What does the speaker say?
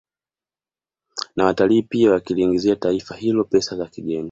Na watalii pia wakiliingizia taifa hilo pesa za kigeni